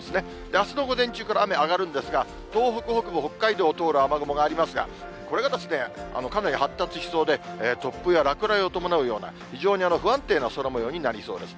あすの午前中から雨上がるんですが、東北北部、北海道を通る雨雲がありますが、これがですね、かなり発達しそうで、突風や落雷を伴うような、非常に不安定な空もようになりそうです。